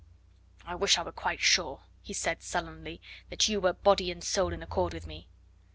"I wish I were quite sure," he said sullenly, "that you were body and soul in accord with me."